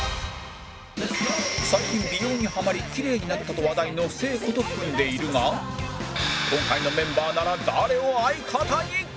最近美容にハマりきれいになったと話題の誠子と組んでいるが今回のメンバーなら誰を相方に！？